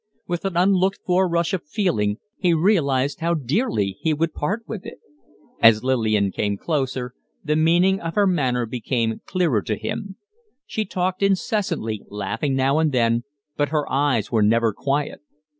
With an unlooked for rush of feeling he realized how dearly he would part with it. As Lillian came closer, the meaning of her manner became clearer to him. She talked incessantly, laughing now and then, but her eyes were never quiet.